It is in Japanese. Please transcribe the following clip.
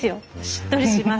しっとりします。